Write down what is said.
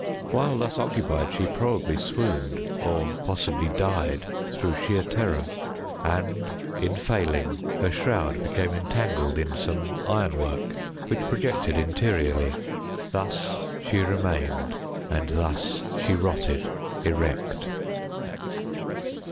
While thus occupied, she probably swooned, or possibly died, through sheer terror; and, in failing, her shroud became entangled in some iron work which projected interiorly. Thus she remained, and thus she rotted, erect.